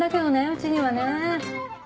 うちにはねぇ。